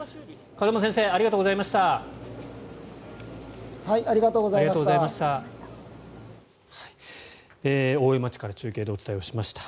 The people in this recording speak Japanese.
風間先生ありがとうございました。